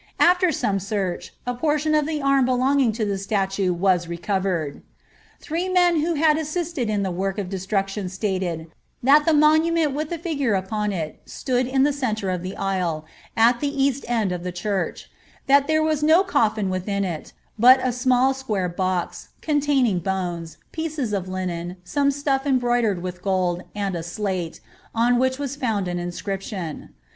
After some search, a portion of the arm belonging to the statue was recovered.'* Three men who had assisted in the work of destruction stated ^ that the monument with the figure upon it stood in the centre of the aisle, at the east end of the church ; that there was no coffin within it, but a imall square box, containing bones, pieces of linen, some stuff embroi dered with gold, and a slate, on which was found an inscription."